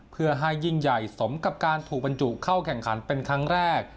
เพื่อให้ยิ่งใหญ่สมกับการถูกบรรจุเข้าแข่งขันเป็นครั้งแรก